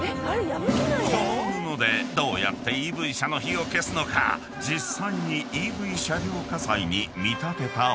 ［この布でどうやってＥＶ車の火を消すのか実際にＥＶ車両火災に見立てた炎に］